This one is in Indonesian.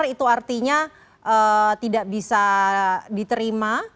itu artinya tidak bisa diterima